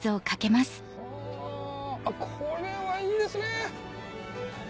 はあこれはいいですね。